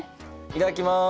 いただきます！